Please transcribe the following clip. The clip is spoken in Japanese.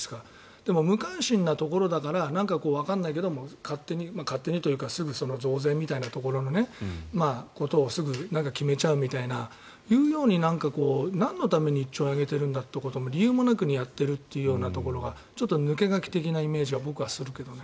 でも、無関心なところだからなんかわかんないけど勝手にというかすぐ増税みたいなところをすぐ決めちゃうみたいなそういうようになんのために１兆円上げているんだっていうことも理由もなくやっているというところが抜け駆け的なイメージが僕はするけどね。